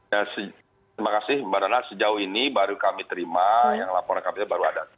ya terima kasih mbak nana sejauh ini baru kami terima yang laporan kami baru ada